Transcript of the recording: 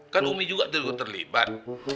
kan umi juga terlibat